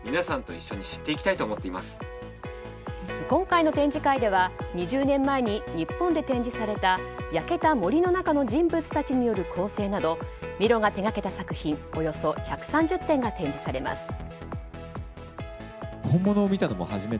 今回の展示会では２０年前に日本で展示された「焼けた森の中の人物たちによる構成」などミロが手掛けた作品およそ１３０点が展示されます。